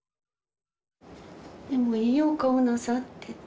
でもいいお顔なさってて。